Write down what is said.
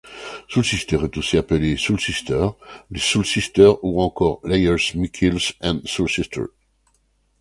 Soulsister est aussi appelé SoulSister, les Soul Sisters ou encore Leyers, Michiels, and SoulSister.